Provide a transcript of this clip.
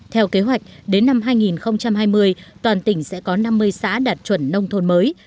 theo kế hoạch đến năm hai nghìn hai mươi toàn tỉnh sẽ có năm mươi xã đạt chuẩn nông thôn mới